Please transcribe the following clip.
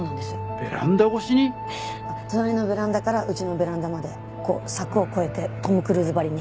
隣のベランダからうちのベランダまでこう柵を越えてトム・クルーズばりに。